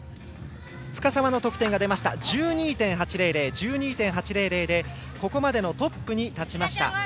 深沢の得点１２．８００でここまでのトップに立ちました。